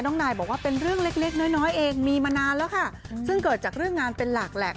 นายบอกว่าเป็นเรื่องเล็กเล็กน้อยน้อยเองมีมานานแล้วค่ะซึ่งเกิดจากเรื่องงานเป็นหลักแหละ